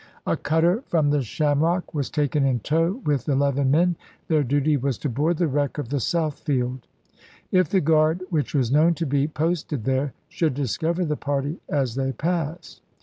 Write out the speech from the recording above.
A cutter from the Shamrock was taken in tow with eleven men ; their duty was to board the wreck of the Southfield, if the guard which was known to be posted there should discover the party as they passed.